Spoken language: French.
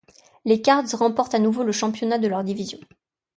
Les Cards remportent à nouveau le championnat de leur division.